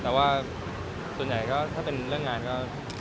แต่ก็ส่วนใหญ่ก็คือถ้าเรื่องงานก็